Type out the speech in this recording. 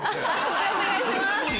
判定お願いします。